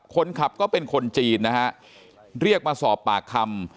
คนขับก็เป็นคนจีนนะฮะเรียกมาสอบปากคำ